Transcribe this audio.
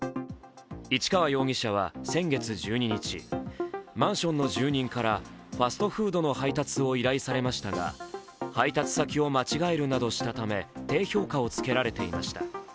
市川容疑者は先月１２日、マンションの住人からファストフードの配達を依頼されましたが配達先を間違えるなどしたため低評価をつけられていました。